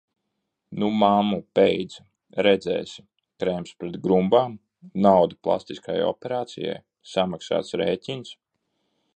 "Nu, mammu, beidz, redzēsi!" Krēms pret grumbām? Nauda plastiskajai operācijai, samaksāts rēķins?